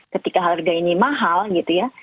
ketika harga ini mahal gitu ya